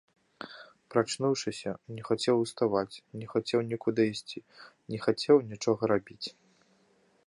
Прачнуўшыся, не хацеў уставаць, не хацеў нікуды ісці, не хацеў нічога рабіць.